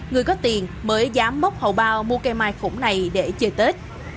người có tiền mới dám móc hậu bao mua cây mai khủng này để chơi tết